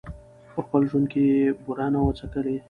په خپل ژوند کي یې بوره نه وه څکلې